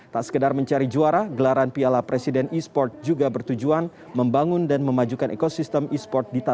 tak sekedar mencari juara gelaran piala presiden e sport juga bertujuan membangun dan memajukan ekosistem e sport di tanah